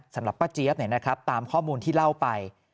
สำหรับป้าเจี๊ยบตามข้อมูลที่เล่าไป